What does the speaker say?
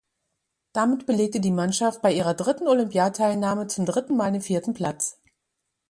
Damit belegte die Mannschaft bei ihrer dritten Olympiateilnahme zum dritten Mal den vierten Platz.